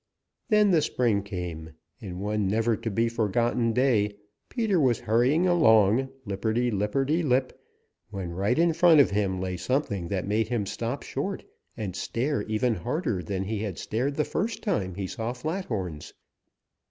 Then the spring came, and one never to be forgotten day Peter was hurrying along, lipperty lipperty lip, when right in front of him lay something that made him stop short and stare even harder than he had stared the first time he saw Flat horns.